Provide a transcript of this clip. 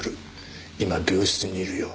今病室にいるよ。